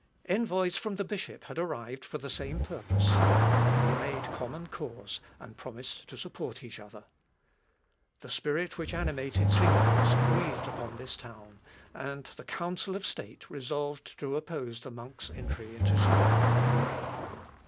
Envoys from the bishop had arrived for the same purpose. They made common cause, and promised to support each other. The spirit which animated Zuinglius breathed upon this town, and the council of State resolved to oppose the monk's entry into Zurich.